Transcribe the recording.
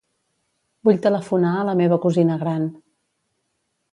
Vull telefonar a la meva cosina gran.